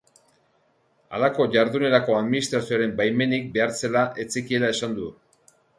Halako jardunerako administrazioaren baimenik behar zela ez zekiela esan du.